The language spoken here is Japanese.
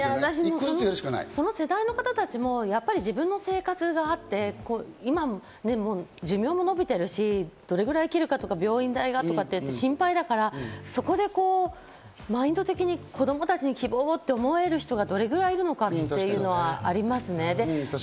自分の生活があって、寿命も延びてるし、どれくらい生きるかとか、病院代がとかって心配だから、そこでマインド的に子供たちに希望をって思える人たちがどれぐらいいるのかっていうのはありますね。